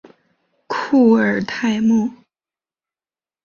库尔泰莫。